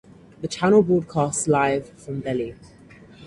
The channel broadcasts live from Delhi.